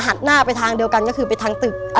มารรดิฟ้าน่านไปทางเดียวกันก็คือไปทางตึก